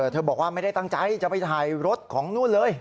บอกว่าไม่ได้ตั้งใจจะไปถ่ายรถของนู่นเลย